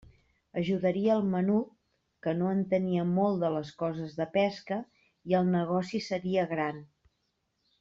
Ajudaria el menut, que no entenia molt de les coses de pesca, i el negoci seria gran.